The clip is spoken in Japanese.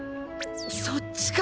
そっちか！